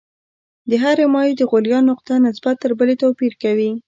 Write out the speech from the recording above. د هرې مایع د غلیان نقطه نسبت تر بلې توپیر کوي.